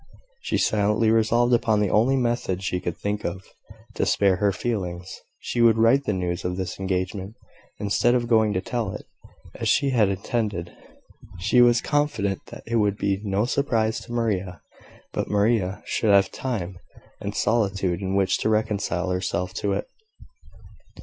She silently resolved upon the only method she could think of, to spare her feelings. She would write the news of this engagement, instead of going to tell it, as she had intended. She was confident that it would be no surprise to Maria; but Maria should have time and solitude in which to reconcile herself to it.